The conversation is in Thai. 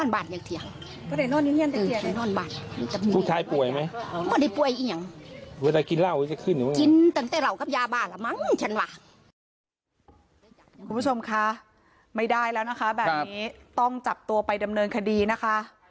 แบบนี้ต้องจับตัวไปดำเนินคดีนะคะ